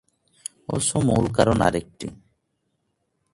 অবশ্য মূল কারণ আরেকটি।